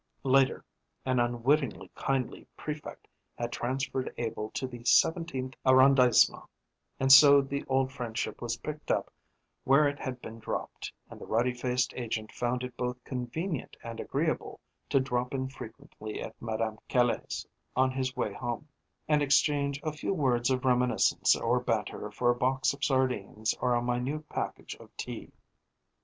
Later, an unwittingly kindly prefect had transferred Abel to the seventeenth arrondissement, and so the old friendship was picked up where it had been dropped, and the ruddy faced agent found it both convenient and agreeable to drop in frequently at Madame Caille's on his way home, and exchange a few words of reminiscence or banter for a box of sardines or a minute package of tea.